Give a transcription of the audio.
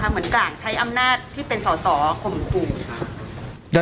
เหมือนกลางใช้อำนาจที่เป็นสอสอ